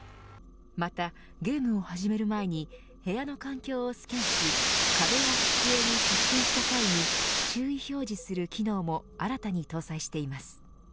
また、ゲームを始める前に部屋の環境をスキャンし壁や机に接近した際に注意表示する機能も新たに搭載しています。